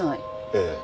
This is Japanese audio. ええ。